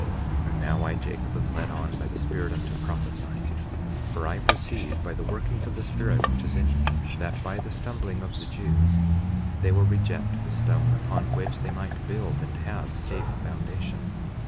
4:15 And now I, Jacob, am led on by the Spirit unto prophesying; for I perceive by the workings of the Spirit which is in me, that by the stumbling of the Jews they will reject the stone upon which they might build and have safe foundation.